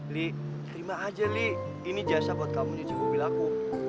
li terima aja li ini jasa buat kamu nyuci mobil aku